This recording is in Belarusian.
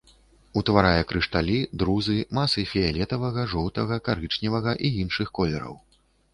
Утварае крышталі, друзы, масы фіялетавага, жоўтага, карычневага і іншых колераў.